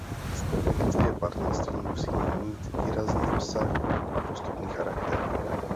Strategické partnerství musí mít výrazný rozsah a postupný charakter.